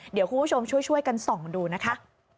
เดี๋ยวคุณผู้ชมช่วยกันส่องดูนะคะ